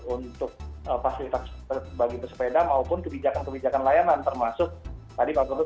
untuk fasilitas bagi pesepeda maupun kebijakan kebijakan layanan termasuk tadi pak garut